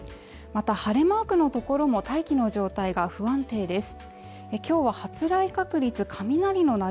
また晴れマークの所も大気の状態が不安定です